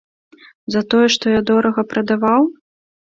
За тое, што я дорага прадаваў?